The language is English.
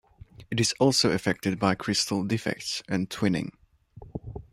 It is also affected by crystal defects and twinning.